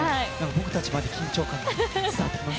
僕たちまで緊張感が伝わってきます。